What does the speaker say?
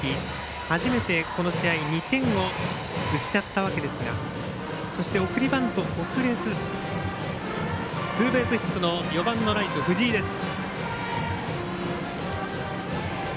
初めてこの試合２点を失ったわけですが送りバント、送れずツーベースヒットの４番のライト、藤井です。